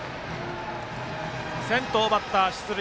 先頭バッター、出塁。